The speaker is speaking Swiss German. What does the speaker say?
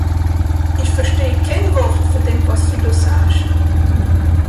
Ìch versteh kenn Wort vùn dem, wàs dü do saasch.